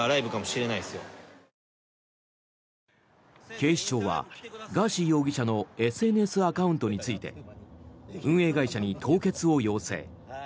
警視庁はガーシー容疑者のＳＮＳアカウントについて運営会社に凍結を要請。